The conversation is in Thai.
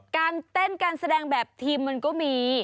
การเต้นการแสดงแบบทีมมันก็มี